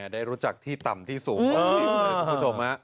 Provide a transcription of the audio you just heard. ได้รู้จักที่ต่ำที่สูงของผู้ชมครับ